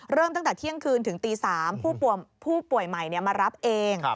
ตั้งแต่เที่ยงคืนถึงตี๓ผู้ป่วยใหม่มารับเอง